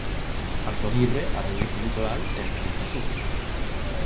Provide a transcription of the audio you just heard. Altoaguirre, a revista "Litoral" e a Imprenta Sur.